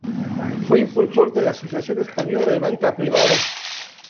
Fue impulsor de la Asociación Española de Banca Privada.